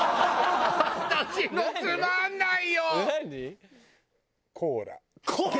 つまんない！